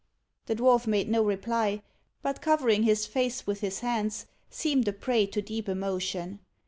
The dwarf made no reply, but covering his face with his hands, seemed a prey to deep emotion.